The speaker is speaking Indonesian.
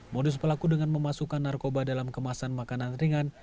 modus pelaku dengan memasukkan narkoba dalam kemasan makanan ringan